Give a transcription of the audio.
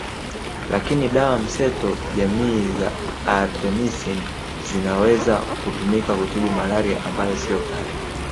Lakini dawa mseto jamii ya Artemisin zinaweza kutumika kutibu malaria ambayo siyo kali